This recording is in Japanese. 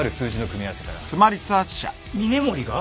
峰森が？